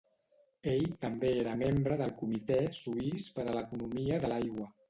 Ell també era membre del Comitè Suís per a l'Economia de l'Aigua.